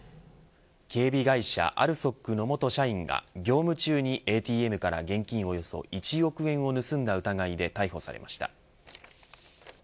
警備会社ＡＬＳＯＫの元社員が、業務中にＡＴＭから現金およそ１億円を盗んだ疑いで逮捕されました。